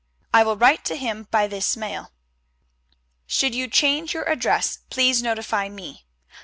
I will write to him by this mail. Should you change your address, please notify me.